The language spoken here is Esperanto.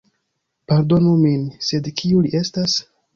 Pardonu min, sed kiu li estas?